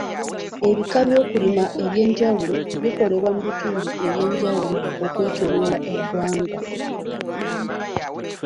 Ebika by'okulima eby'enjawulo bikolebwa mu bitundu eby'enjawulo okwetooloola eggwanga.